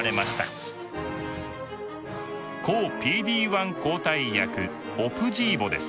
抗ＰＤ−１抗体薬「オプジーボ」です。